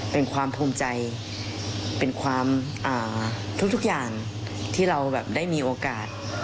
เป็นความภูมิใจเป็นความทุกอย่างที่เราได้มีโอกาส